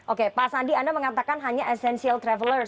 oke pak sandi anda mengatakan hanya essential traveler